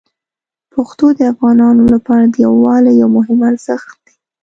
پښتو د افغانانو لپاره د یووالي یو مهم ارزښت دی.